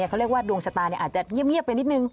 เขาเรียกว่าดวงชะตาอาจจะเงียบไปนิดนึง